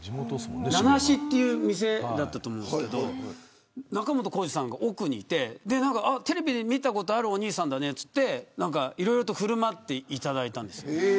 名なしっていうお店だったと思うんですけど仲本さんが奥にいてテレビで見たことあるお兄さんだねと言っていろいろ振る舞っていただいたんですよ。